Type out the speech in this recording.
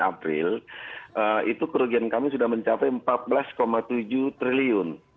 april itu kerugian kami sudah mencapai rp empat belas tujuh triliun